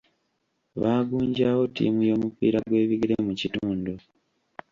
Baagunjaawo ttiimu y'omupiira gw'ebigere mu kitundu.